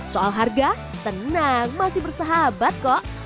soal harga tenang masih bersahabat kok